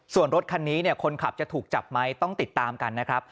ส่วนรถคันนี้เนี่ยคนขับจะถูกจับไหมต้องติดตามกันนะครับ